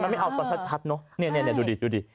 มันไม่เอาตัวชัดเนอะนี่ดูดิ